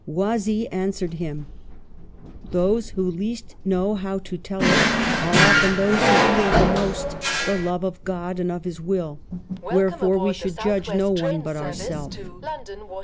Oisille answered him, " Those who least know how to tell it are often those who feel the most the love of God and of His will ; wherefore we should judge no one but ourself."